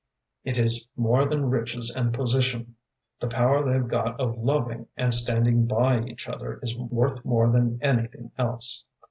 It is more than riches and position. The power they've got of loving and standing by each other is worth more than anything else."